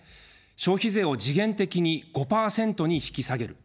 消費税を時限的に５％に引き下げる。